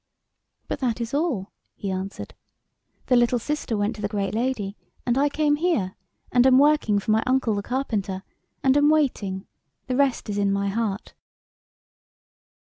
" But that is all," he answered. " The little sister went to the great lady, and I came here, and am working for iny uncle the carpenter, and am wait ing the rest is in my heart."